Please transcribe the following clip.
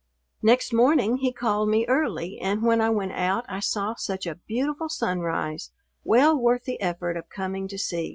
Next morning he called me early and when I went out I saw such a beautiful sunrise, well worth the effort of coming to see.